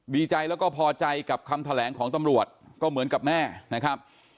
ดีใจแล้วก็พอใจกับคำแถลงของตำรวจก็เหมือนกับแม่นะครับ